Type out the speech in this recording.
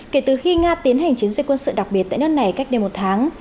kể từ khi nga tiến hành chiến dịch quân sự đặc biệt tại nước này cách đây một tháng